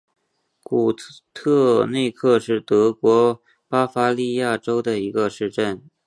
古特内克是德国巴伐利亚州的一个市镇。